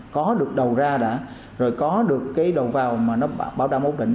có được đầu ra đã rồi có được cái đầu vào mà nó bảo đảm ổn định